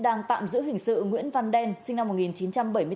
đang tạm giữ hình sự nguyễn văn đen sinh năm một nghìn chín trăm bảy mươi bốn